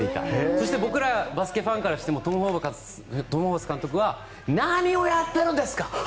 そして僕らバスケファンとしてもトム・ホーバス監督は何をやってるんですか！